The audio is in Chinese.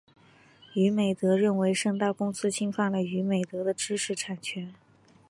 娱美德认为盛大公司侵犯了娱美德的知识产权。